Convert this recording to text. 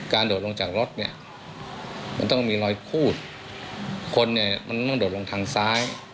การโดดลงจากรถมันต้องมีรอยคูดคนมันต้องโดดลงทางซ้าย